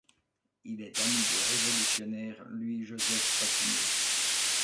Il est ami du révolutionnaire Louis-Joseph Papineau.